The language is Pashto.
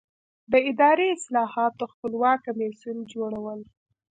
د اداري اصلاحاتو خپلواک کمیسیون جوړول.